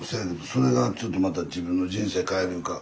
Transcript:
それがちょっとまた自分の人生変えるんか。